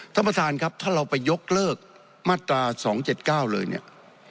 ท่านประธานครับถ้าเราไปยกเลิกมาตรา๒๗๙เลยเนี่ย